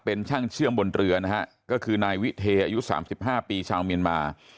เป็นช่างเชื่อมบนเรือนะฮะก็คือนายวิเทอายุ๓๕ปีชาวเมียนมา